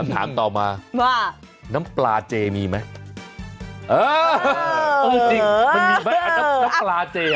ถามต่อมาว่าน้ำปลาเจมีมั้ยเอาจริงมั้ยน้ำปลาเจ